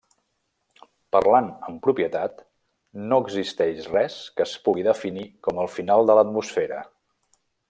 Parlant amb propietat, no existeix res que es pugui definir com el final de l'atmosfera.